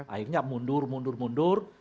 akhirnya mundur mundur mundur